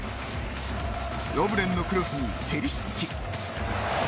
ロヴレンのクロスにペリシッチ。